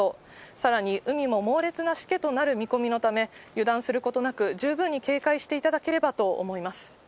さらに、海も猛烈なしけとなる見込みのため、油断することなく十分に警戒していただければと思います。